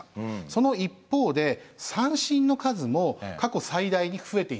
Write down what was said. その一方で三振の数も過去最大に増えています。